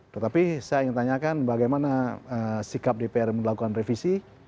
tetapi saya ingin tanyakan bagaimana sikap dpr melakukan revisi